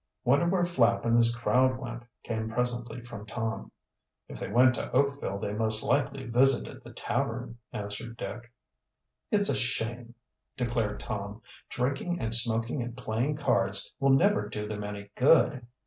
"Wonder where Flapp and his crowd went," came presently from Tom. "If they went to Oakville they most likely visited the tavern," answered Dick. "It's a shame!" declared Tom. "Drinking and smoking and playing cards will never do them any good."